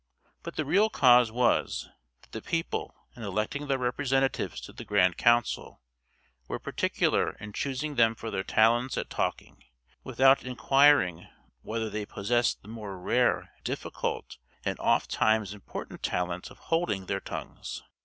But the real cause was, that the people, in electing their representatives to the grand council, were particular in choosing them for their talents at talking, without inquiring whether they possessed the more rare, difficult, and oft times important talent of holding their tongues.